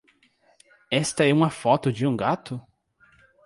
Esta é uma foto de um gato?